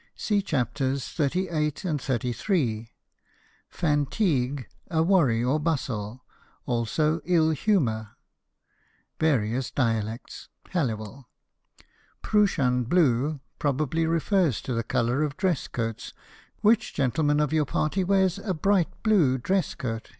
26. See Chapters XXXVIII. and XXXIII. "Fanteeg, a worry or bustle. Also, ill humour.—Various Dialects."—HALLIWELL. "Prooshan blue" probably refers to the colour of dress coats. "Which gentleman of your party wears a bright blue dress coat?"